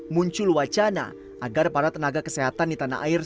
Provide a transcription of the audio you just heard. muncul wacana agar para tenaga kesehatan di tanah air